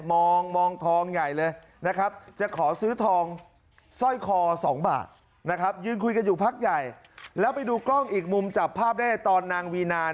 มองมองทองใหญ่เลยนะครับจะขอซื้อทองสร้อยคอสองบาทนะครับยืนคุยกันอยู่พักใหญ่แล้วไปดูกล้องอีกมุมจับภาพได้ตอนนางวีนา